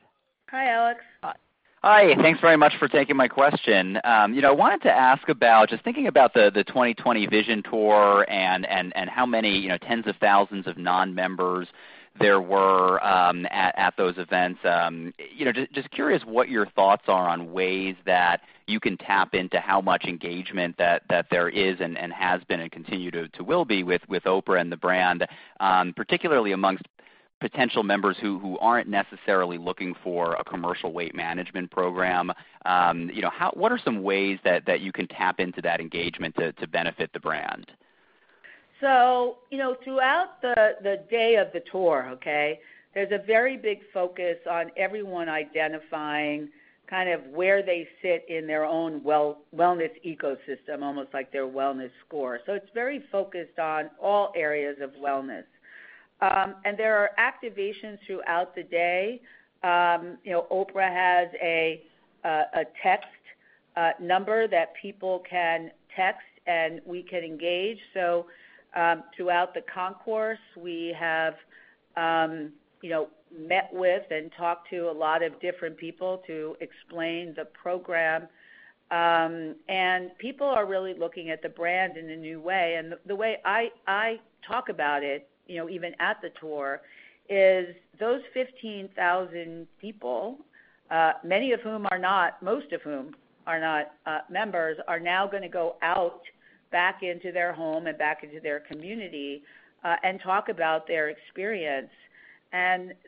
Hi, Alex. Hi. Hi. Thanks very much for taking my question. I wanted to ask about just thinking about the 2020 Vision tour and how many tens of thousands of non-members there were at those events. Just curious what your thoughts are on ways that you can tap into how much engagement that there is and has been and continue to will be with Oprah and the brand, particularly amongst potential members who aren't necessarily looking for a commercial weight management program. What are some ways that you can tap into that engagement to benefit the brand? Throughout the day of the tour, okay, there's a very big focus on everyone identifying where they sit in their own wellness ecosystem, almost like their wellness score. It's very focused on all areas of wellness. There are activations throughout the day. Oprah has a text number that people can text, and we can engage. Throughout the concourse, we have met with and talked to a lot of different people to explain the program. People are really looking at the brand in a new way. The way I talk about it, even at the tour, is those 15,000 people, most of whom are not members, are now going to go out back into their home and back into their community, and talk about their experience.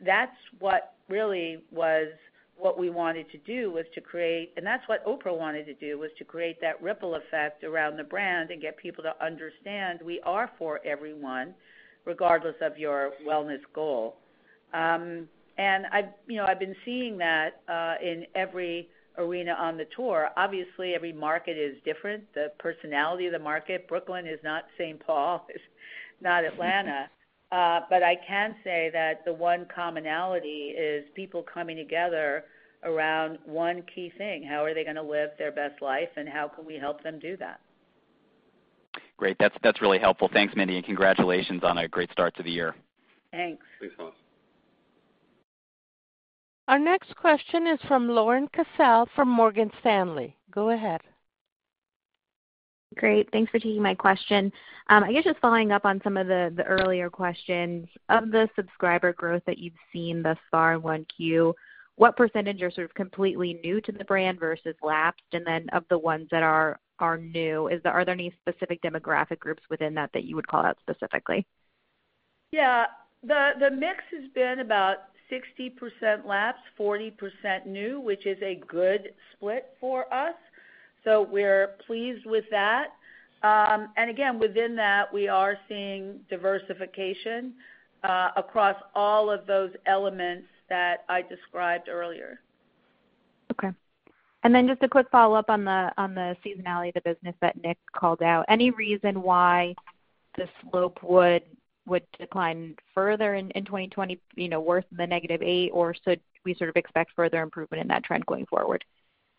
That's what really was what we wanted to do, and that's what Oprah wanted to do, was to create that ripple effect around the brand and get people to understand we are for everyone, regardless of your wellness goal. I've been seeing that in every arena on the tour. Obviously, every market is different. The personality of the market. Brooklyn is not St. Paul, is not Atlanta. I can say that the one commonality is people coming together around one key thing: how are they going to live their best life, and how can we help them do that? Great. That's really helpful. Thanks, Mindy, and congratulations on a great start to the year. Thanks. Thanks, Alex. Our next question is from Lauren Cassel from Morgan Stanley. Go ahead. Great. Thanks for taking my question. I guess just following up on some of the earlier questions. Of the subscriber growth that you've seen thus far in 1Q, what % are sort of completely new to the brand versus lapsed? Then of the ones that are new, are there any specific demographic groups within that that you would call out specifically? Yeah. The mix has been about 60% lapsed, 40% new, which is a good split for us. We're pleased with that. Again, within that, we are seeing diversification, across all of those elements that I described earlier. Okay. Just a quick follow-up on the seasonality of the business that Nick called out. Any reason why the slope would decline further in 2020, worse than the -8%, or should we sort of expect further improvement in that trend going forward?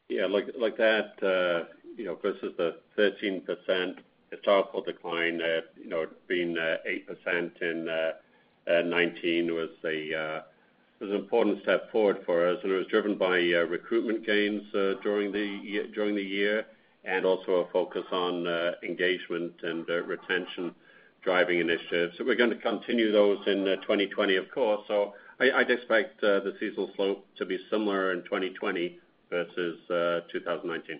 Yeah, like that, versus the 13% historical decline, it being 8% in 2019 was an important step forward for us, and it was driven by recruitment gains during the year, and also a focus on engagement and retention driving initiatives. We're going to continue those in 2020, of course. I'd expect the seasonal slope to be similar in 2020 versus 2019.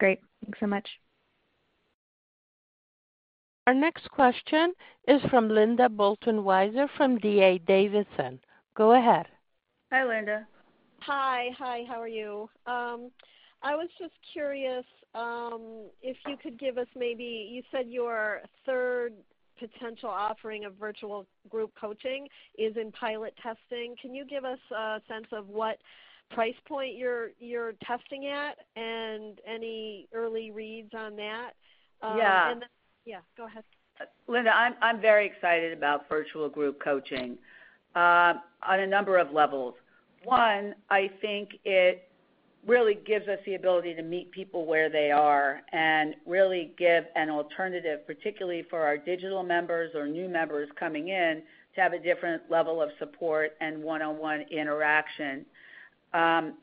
Great. Thanks so much. Our next question is from Linda Bolton-Weiser from D.A. Davidson. Go ahead. Hi, Linda. Hi. How are you? I was just curious if you could give us. You said your third potential offering of virtual group coaching is in pilot testing. Can you give us a sense of what price point you're testing at and any early reads on that? Yeah. Yeah, go ahead. Linda, I'm very excited about virtual group coaching on a number of levels. One, I think it really gives us the ability to meet people where they are and really give an alternative, particularly for our digital members or new members coming in, to have a different level of support and one-on-one interaction.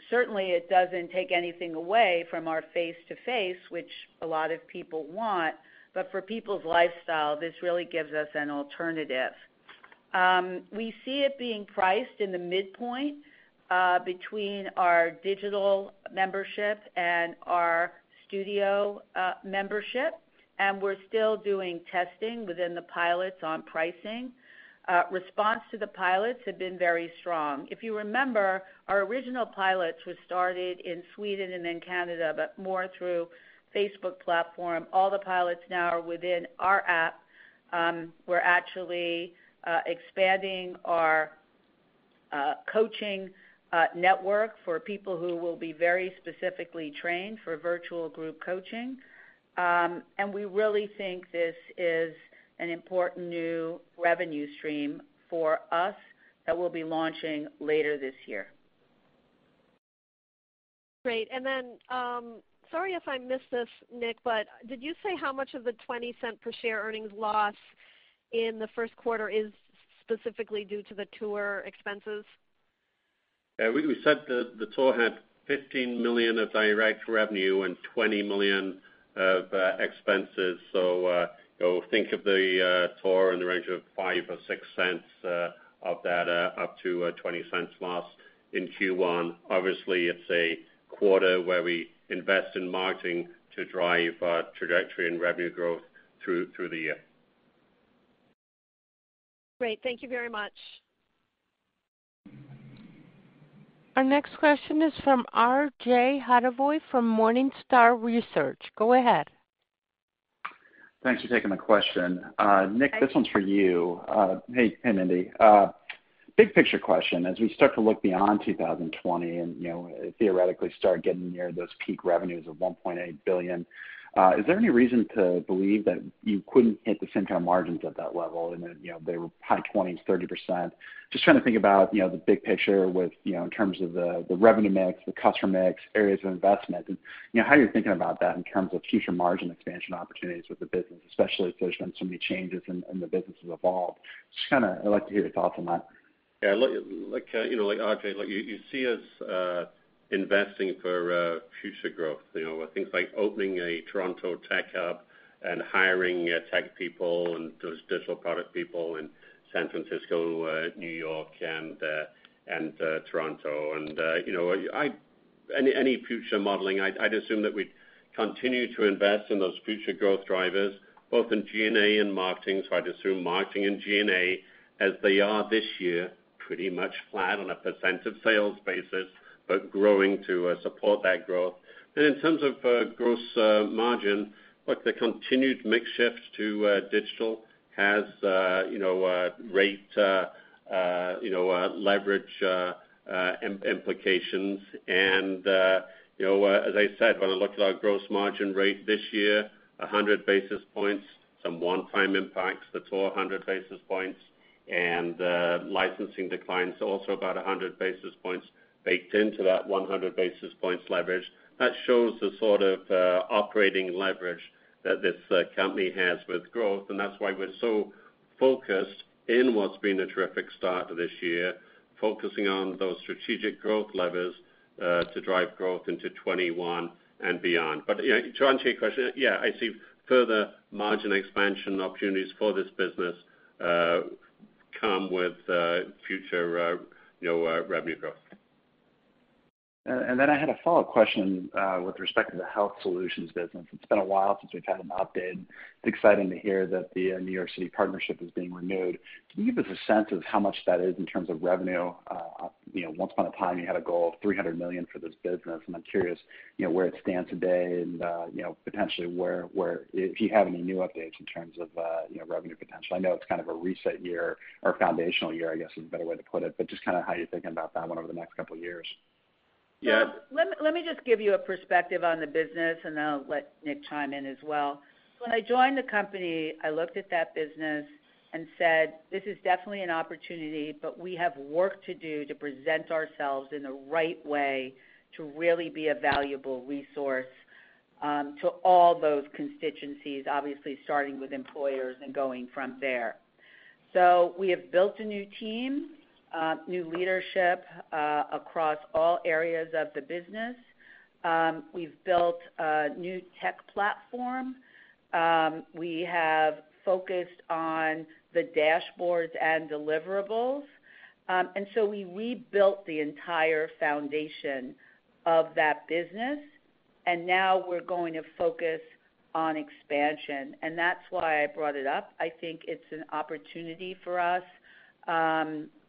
Certainly, it doesn't take anything away from our face-to-face, which a lot of people want, but for people's lifestyle, this really gives us an alternative. We see it being priced in the midpoint between our digital membership and our Studio membership, and we're still doing testing within the pilots on pricing. Response to the pilots have been very strong. If you remember, our original pilots were started in Sweden and then Canada, but more through Facebook platform. All the pilots now are within our app. We're actually expanding our coaching network for people who will be very specifically trained for virtual group coaching. We really think this is an important new revenue stream for us that we'll be launching later this year. Great. Sorry if I missed this, Nick, but did you say how much of the $0.20 per share earnings loss in the first quarter is specifically due to the tour expenses? Yeah, we said the tour had $15 million of direct revenue and $20 million of expenses. Think of the tour in the range of $0.05 or $0.06 of that up to a $0.20 loss in Q1. Obviously, it's a quarter where we invest in marketing to drive trajectory and revenue growth through the year. Great. Thank you very much. Our next question is from R.J. Hottovy from Morningstar Research. Go ahead. Thanks for taking my question. Nick, this one's for you. Hey, Mindy. Big picture question. As we start to look beyond 2020 and theoretically start getting near those peak revenues of $1.8 billion, is there any reason to believe that you couldn't hit the same kind of margins at that level and that they were high 20%s, 30%? Just trying to think about the big picture in terms of the revenue mix, the customer mix, areas of investment, and how you're thinking about that in terms of future margin expansion opportunities with the business, especially as there's been so many changes and the business has evolved. Just I'd like to hear your thoughts on that. Yeah. R.J., you see us investing for future growth, with things like opening a Toronto tech hub and hiring tech people and those digital product people in San Francisco, New York, and Toronto. Any future modeling, I'd assume that we'd continue to invest in those future growth drivers, both in G&A and marketing. I'd assume marketing and G&A as they are this year, pretty much flat on a percent of sales basis, but growing to support that growth. In terms of gross margin, look, the continued mix shift to digital has rate leverage implications, and as I said, when I look at our gross margin rate this year, 100 basis points, some one-time impacts, that's all 100 basis points, and licensing declines also about 100 basis points baked into that 100 basis points leverage. That shows the sort of operating leverage that this company has with growth. That's why we're so focused in what's been a terrific start to this year, focusing on those strategic growth levers to drive growth into 2021 and beyond. To answer your question, yeah, I see further margin expansion opportunities for this business come with future revenue growth. I had a follow-up question with respect to the health solutions business. It's been a while since we've had an update. It's exciting to hear that the New York City partnership is being renewed. Can you give us a sense of how much that is in terms of revenue? Once upon a time, you had a goal of $300 million for this business. I'm curious where it stands today and potentially if you have any new updates in terms of revenue potential. I know it's kind of a reset year or foundational year, I guess, is a better way to put it. Just kind of how you're thinking about that one over the next couple of years. Yeah. Let me just give you a perspective on the business, and then I'll let Nick chime in as well. When I joined the company, I looked at that business and said, "This is definitely an opportunity, but we have work to do to present ourselves in the right way to really be a valuable resource to all those constituencies," obviously starting with employers and going from there. We have built a new team, new leadership, across all areas of the business. We've built a new tech platform. We have focused on the dashboards and deliverables. We rebuilt the entire foundation of that business, and now we're going to focus on expansion. That's why I brought it up. I think it's an opportunity for us,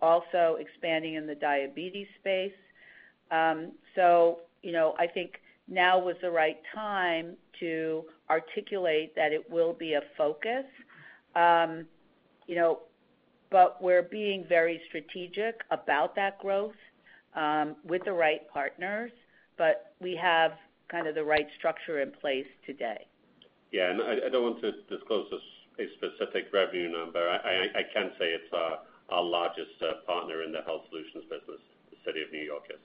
also expanding in the diabetes space. I think now was the right time to articulate that it will be a focus. We're being very strategic about that growth, with the right partners, but we have kind of the right structure in place today. Yeah, I don't want to disclose a specific revenue number. I can say it's our largest partner in the health solutions business, the City of New York is.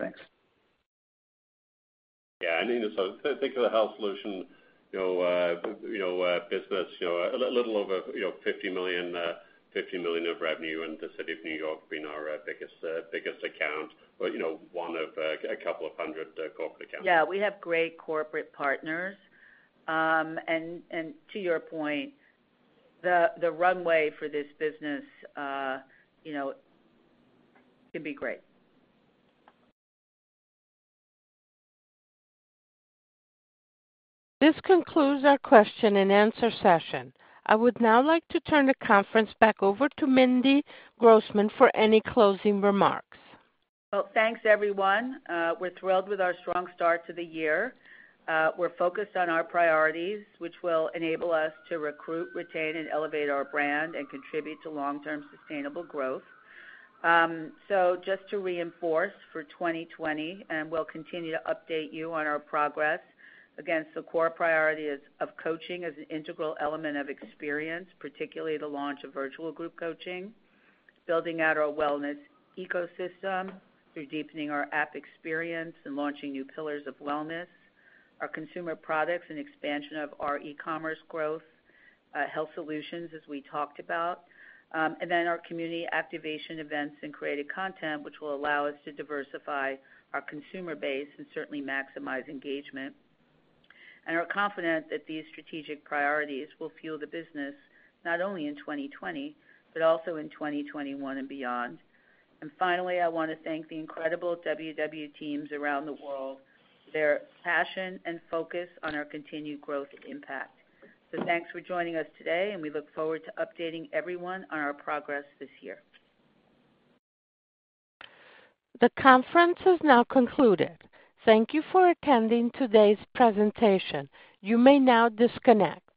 Thanks. Yeah, think of the health solution business, a little over $50 million of revenue, the City of New York being our biggest account, or one of a couple of hundred corporate accounts. Yeah, we have great corporate partners. To your point, the runway for this business can be great. This concludes our question and answer session. I would now like to turn the conference back over to Mindy Grossman for any closing remarks. Well, thanks everyone. We're thrilled with our strong start to the year. We're focused on our priorities, which will enable us to recruit, retain, and elevate our brand and contribute to long-term sustainable growth. Just to reinforce for 2020, and we'll continue to update you on our progress against the core priorities of coaching as an integral element of experience, particularly the launch of virtual group coaching. Building out our wellness ecosystem through deepening our app experience and launching new pillars of wellness. Our consumer products and expansion of our e-commerce growth. Health solutions, as we talked about. Our community activation events and creative content, which will allow us to diversify our consumer base and certainly maximize engagement. Are confident that these strategic priorities will fuel the business not only in 2020, but also in 2021 and beyond. Finally, I want to thank the incredible WW teams around the world for their passion and focus on our continued growth impact. Thanks for joining us today, and we look forward to updating everyone on our progress this year. The conference has now concluded. Thank you for attending today's presentation. You may now disconnect.